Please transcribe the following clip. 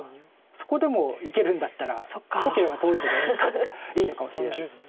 そこでもいけるんだったら遠ければ遠いほどいいのかもしれないです。